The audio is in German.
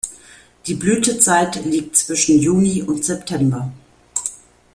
Die Blütezeit liegt zwischen Juni und September.